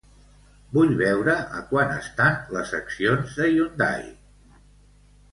Vull veure a quant estan les accions de Hyundai.